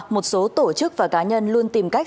một số tổ chức và cá nhân luôn tìm cách